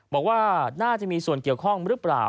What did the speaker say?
บอกว่าน่าจะมีส่วนเกี่ยวข้องหรือเปล่า